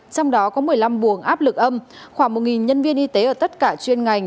trong đó có một mươi năm buồng áp lực âm khoảng một nhân viên y tế ở tất cả chuyên ngành